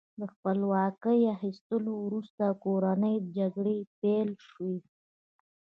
د خپلواکۍ اخیستلو وروسته کورنۍ جګړې پیل شوې.